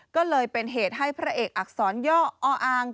ก็เลยเป็นเหตุให้พระเอกอักษรย่ออาง